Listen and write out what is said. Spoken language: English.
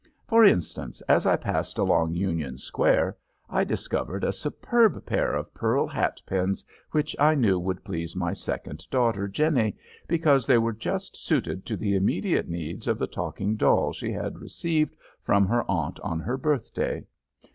For instance, as I passed along Union Square I discovered a superb pair of pearl hat pins which I knew would please my second daughter, Jenny, because they were just suited to the immediate needs of the talking doll she had received from her aunt on her birthday.